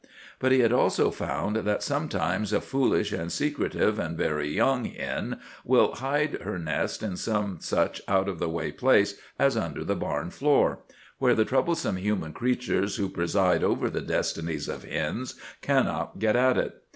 But he had also found that sometimes a foolish and secretive—and very young—hen will hide her nest in some such out of the way place as under the barn floor, where the troublesome human creatures who preside over the destinies of hens cannot get at it.